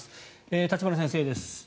立花先生です。